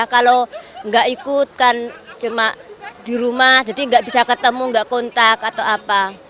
kalau nggak ikut kan cuma di rumah jadi nggak bisa ketemu nggak kontak atau apa